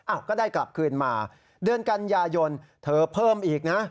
ก็ได้กลับคืนมาเดือนกันยายนเธอเพิ่มอีกนะ